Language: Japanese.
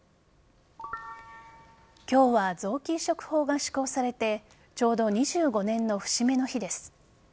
今日は臓器移植法が施行されてちょうど２５年の節目の日です。